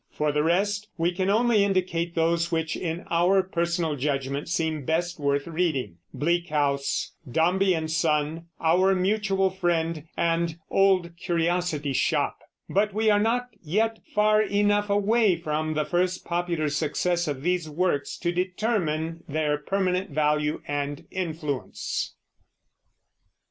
For the rest, we can only indicate those which, in our personal judgment, seem best worth reading, Bleak House, Dombey and Son, Our Mutual Friend, and Old Curiosity Shop, but we are not yet far enough away from the first popular success of these works to determine their permanent value and influence.